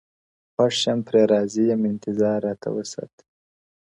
• خوښ يم پرې راضي يم انتـظارراتـــه وســــــاتـــــــــــه ـ